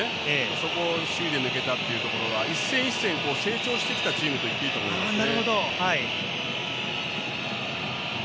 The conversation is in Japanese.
そこを首位で抜けたということは一戦一戦成長してきたチームといっていいですね。